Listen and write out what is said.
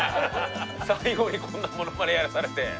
最後にこんなモノマネやらされて。